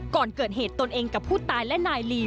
ก่อนเกิดเหตุตนเองกับผู้ตายและนายลี